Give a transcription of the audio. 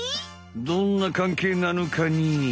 どんな関係なのかね？